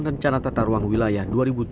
rencana tata ruang wilayah dua ribu tiga puluh